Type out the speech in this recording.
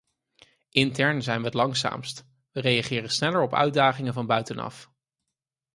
Intern zijn we het langzaamst; we reageren sneller op uitdagingen van buitenaf.